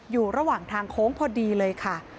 อยู่ระหว่างทางโค้งพอดีเลยค่ะ